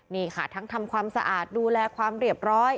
นี่ค่ะทั้งทำความสะอาดดูแลความเรียบร้อย